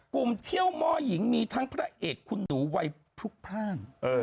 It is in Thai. เที่ยวหม้อหญิงมีทั้งพระเอกคุณหนูวัยพลุกพ่าน